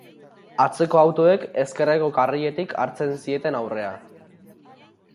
Atzeko autoek ezkerreko karriletik hartzen zieten aurrea.